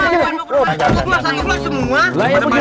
jangan jangan jangan